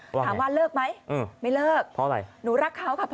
ถามว่าเลิกไหมไม่เลิกเพราะอะไรหนูรักเขาค่ะพ่อ